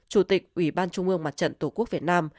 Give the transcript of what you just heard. chủ tịch ủy ban trung ương mặt trận tổ quốc việt nam